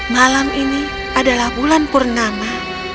malam ini adalah bulan purnama